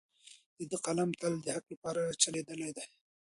د ده قلم تل د حق لپاره چلیدلی دی.